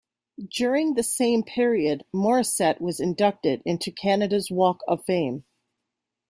During the same period, Morissette was inducted into Canada's Walk of Fame.